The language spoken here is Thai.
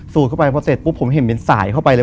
เข้าไปพอเสร็จปุ๊บผมเห็นเป็นสายเข้าไปเลย